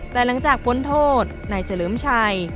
แต่หลังจากพ้นโทษนายเฉลิมชัย